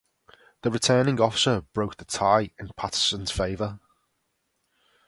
The returning officer broke the tie in Patterson's favour.